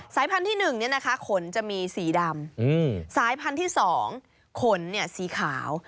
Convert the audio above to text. พันธุ์ที่๑ขนจะมีสีดำสายพันธุ์ที่๒ขนสีขาว